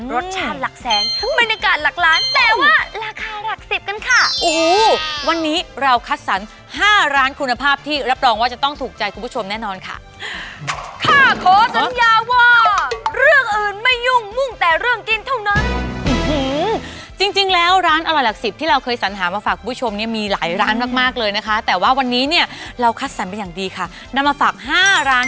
รสชาติหลักแบบแสงบรรยากาศหลักล้านแต่ว่าหลักลัก๑๐เป็นค่ะ